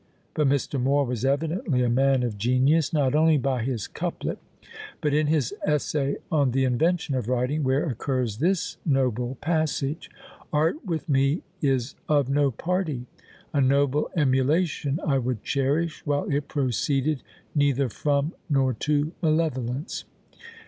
But Mr. More was evidently a man of genius, not only by his couplet, but in his "Essay on the Invention of Writing," where occurs this noble passage: "Art with me is of no party. A noble emulation I would cherish, while it proceeded neither from, nor to malevolence.